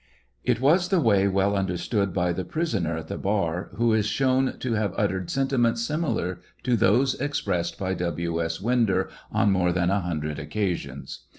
It was the way well understood by the prisoner at the bar, who is shown to have uttered sentiments similar to those expressed by W. S. Winder on inore than a hundred occasions.